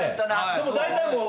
でも大体もう。